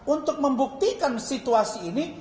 untuk membuktikan situasi ini